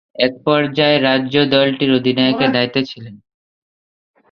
এক পর্যায়ে রাজ্য দলটির অধিনায়কের দায়িত্বে ছিলেন।